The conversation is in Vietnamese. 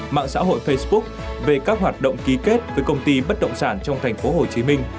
mạng xã hội facebook về các hoạt động ký kết với công ty bất động sản trong thành phố hồ chí minh